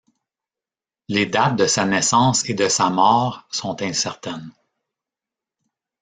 Les dates de sa naissance et de sa mort sont incertaines.